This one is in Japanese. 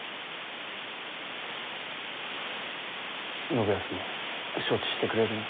信康も承知してくれるな？